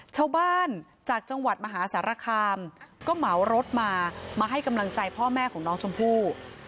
ชาวบ้านจากจังหวัดมหาสารคามก็เหมารถมามาให้กำลังใจพ่อแม่ของน้องชมพู่